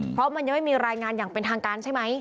เพราะมันยังไม่มีรายงานอย่างเป็นทางการใช่ไหม